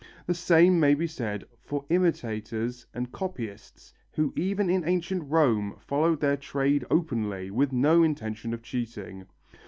The same may be said for imitators and copyists who even in ancient Rome followed their trade openly with no intention of cheating.